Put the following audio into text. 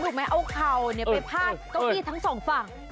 ดูแม้เอาเข่าเนี่ยไปพาดต้องกี้ทั้งสองฝั่ง